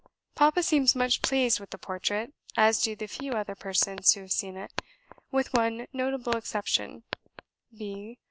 Papa seems much pleased with the portrait, as do the few other persons who have seen it, with one notable exception; viz.